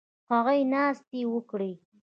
هغوی ناستې وکړې